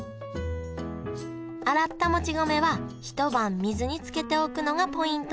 洗ったもち米はひと晩水につけておくのがポイントです